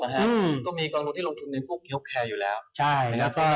จะมีกองทุนที่ลงทุนในผู้แพทย์